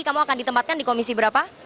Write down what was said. kamu akan ditempatkan di komisi berapa